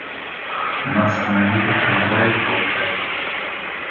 Нас в набитых трамваях болтает.